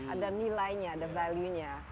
ada nilainya ada value nya